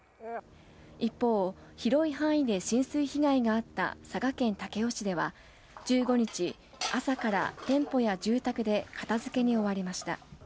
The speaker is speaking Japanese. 一方、広い範囲で浸水被害があった佐賀県武雄市では１５日朝から店舗や住宅で片づけに追われました。